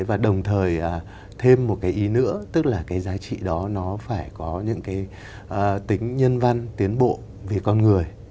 và đồng thời thêm một cái ý nữa tức là cái giá trị đó nó phải có những cái tính nhân văn tiến bộ về con người